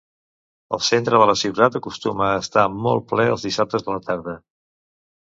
El centre de la ciutat acostuma a estar molt ple els dissabtes a la tarda